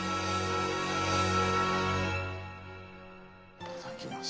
いただきます。